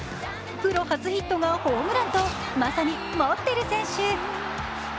プロ初ヒットがホームランとまさに持っている選手。